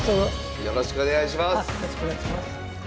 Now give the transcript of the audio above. よろしくお願いします。